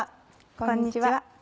こんにちは。